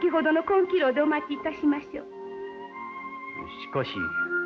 しかし。